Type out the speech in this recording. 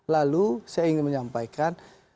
lalu saya ingin menyampaikan